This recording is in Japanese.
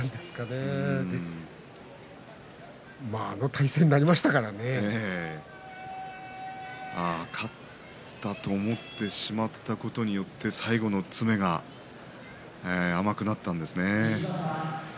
勝ったと思ってしまったからあの体勢に勝ったと思ってしまったことによって最後の詰めが甘くなったんですね。